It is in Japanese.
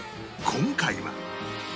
今回は